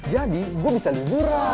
jadi gue bisa liburan